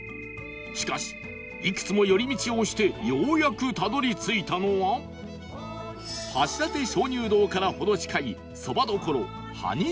しかしいくつも寄り道をしてようやくたどり着いたのは橋立鍾乳洞から程近い